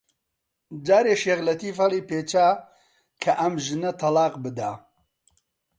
جارێ شێخ لەتیف هەڵیپێچا کە ئەم ژنە تەڵاق بدا